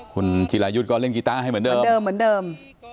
คุณกิลายุทธ์ก็เล่นกีตาร์ให้เหมือนเดิม